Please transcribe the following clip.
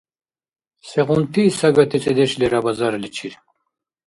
Сегъунти сагати цӀедеш лера базарличир?